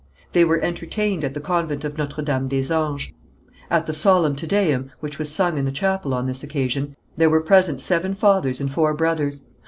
They were entertained at the convent of Notre Dame des Anges. At the solemn Te Deum, which was sung in the chapel on this occasion, there were present seven fathers and four brothers.